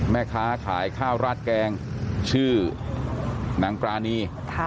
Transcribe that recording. แม่ค้าขายข้าวราดแกงชื่อนางปรานี